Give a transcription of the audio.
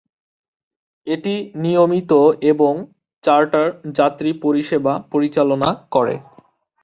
এটি নিয়মিত এবং চার্টার যাত্রী পরিষেবা পরিচালনা করে।